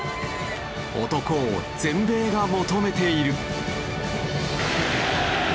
男を全米が求めている。